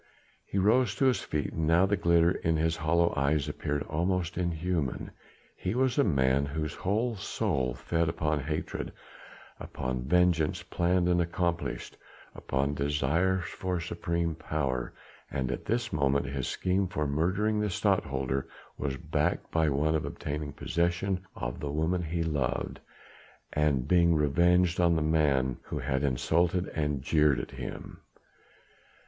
He rose to his feet and now the glitter in his hollow eyes appeared almost inhuman. He was a man whose whole soul fed upon hatred, upon vengeance planned and accomplished, upon desire for supreme power; and at this moment his scheme for murdering the Stadtholder was backed by one for obtaining possession of the woman he loved, and being revenged on the man who had insulted and jeered at him.